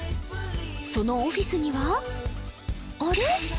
そのオフィスにはあれ？